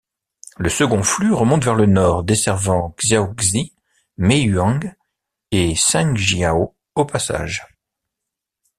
Le second flux remonte vers le nord, desservant Xiaoxi, Meiyuan et Shenjiao au passage.